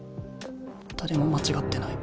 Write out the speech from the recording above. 誰も間違ってない。